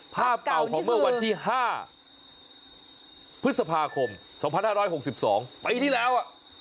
ภาพเก่าของเมื่อวันที่๕พฤษภาคม๒๕๖๒ปีที่แล้ว